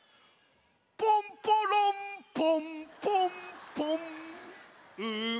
ポンポロンポンポンポンいよっ。